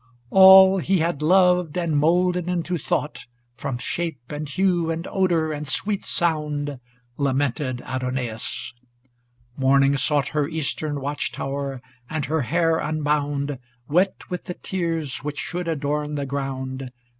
XIV All he had loved, and moulded into thought From shape, and hue, and odor, and sweet sound. Lamented Adonais. Morning sought Her eastern watch tower, and her hair unbound. Wet with the tears which should adorn the ground.